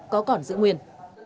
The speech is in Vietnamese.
có còn giữ nguyên